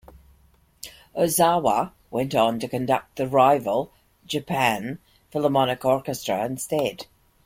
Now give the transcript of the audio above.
Ozawa went on to conduct the rival Japan Philharmonic Orchestra instead.